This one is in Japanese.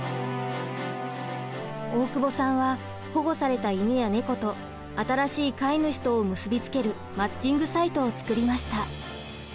大久保さんは保護された犬や猫と新しい飼い主とを結びつけるマッチングサイトを作りました。